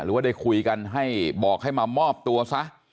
หรือว่าได้คุยกันให้บอกให้มามอบตัวซะ